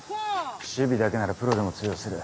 守備だけならプロでも通用する。